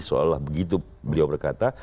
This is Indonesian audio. seolah begitu beliau berkata